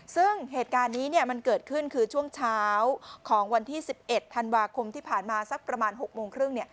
ซึ่งเหตุการณ์นี้มันเกิดขึ้นคือช่วงเช้าของวันที่๑๑ธันวาคมที่ผ่านมาสักประมาณ๖โมงครึ่ง